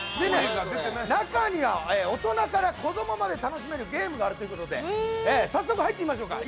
中には大人から子供まで楽しめるゲームがあるということで早速、入ってみましょうか。